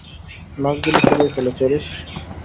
লাশগুলো সরিয়ে ফেলো, চেরিস!